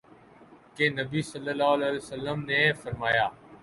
کہ نبی صلی اللہ علیہ وسلم نے فرمایا